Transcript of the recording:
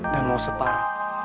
dan mau separuh